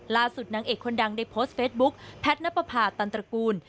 ล่าสุดนางเอกคนนางได้โพสต์เฟสบุ๊คแพทย์ณปภาตันตรกูล